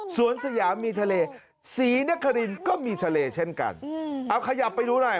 สยามมีทะเลศรีนครินก็มีทะเลเช่นกันเอาขยับไปดูหน่อย